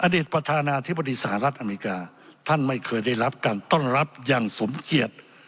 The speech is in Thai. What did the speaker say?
ประธานาธิบดีสหรัฐอเมริกาท่านไม่เคยได้รับการต้อนรับอย่างสมเกียจ